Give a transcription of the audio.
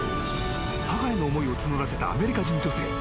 母への思いを募らせたアメリカ人女性。